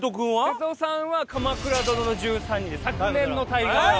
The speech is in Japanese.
瀬戸さんは『鎌倉殿の１３人』で昨年の大河ドラマで。